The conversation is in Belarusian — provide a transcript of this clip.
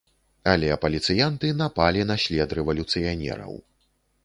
Але паліцыянты напалі на след рэвалюцыянераў.